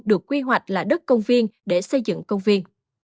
được quy hoạch là đất công viên để xây dựng công viên